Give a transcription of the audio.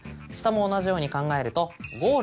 下も同じように考えると。